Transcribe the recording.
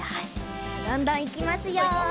じゃどんどんいきますよ！